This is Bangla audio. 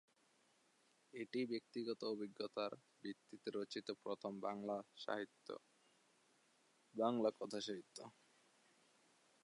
এটিই ব্যক্তিগত অভিজ্ঞতার ভিত্তিতে রচিত প্রথম বাংলা কথাসাহিত্য।